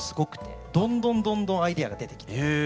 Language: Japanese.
どんどんどんどんアイデアが出てきて。